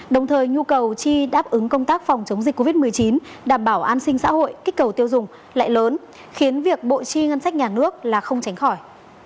đồng thời nhu cầu chi đáp ứng công tác phòng chống dịch covid một mươi chín đảm bảo an sinh xã hội kích cầu tiêu dùng lại lớn khiến việc bộ chi ngân sách nhà nước là không tránh khỏi